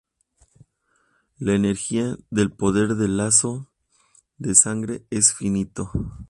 La energía del poder del lazo de sangre es finito.